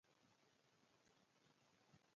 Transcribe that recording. الاریک په اتو او څلور سوه کال کې د رومیانو پرضد جنګېده